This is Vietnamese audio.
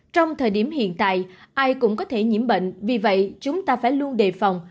trong thời điểm hiện tại ai cũng có thể nhiễm bệnh vì vậy chúng ta phải luôn đề phòng